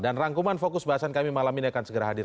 dan rangkuman fokus bahasan kami malam ini akan segera hadir